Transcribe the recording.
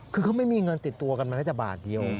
คือเขาไม่มีเงินติดตัวกันมาแม้แต่บาทเดียว